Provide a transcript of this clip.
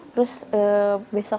terus besok sorenya oke kita berbicara